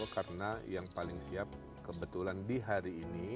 karena yang paling siap kebetulan di hari ini